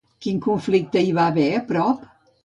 Quin conflicte hi va haver a prop?